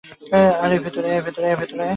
আরে ভিতরে আয়।